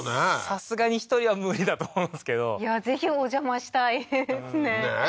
さすがに１人は無理だと思うんですけどいやぜひお邪魔したいですねねえ